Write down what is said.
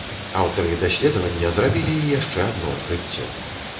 Аўтары даследавання зрабілі і яшчэ адно адкрыццё.